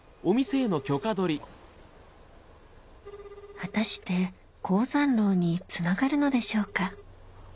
果たして江山楼につながるのでしょうか？